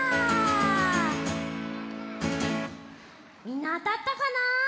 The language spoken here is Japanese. みんなあたったかな？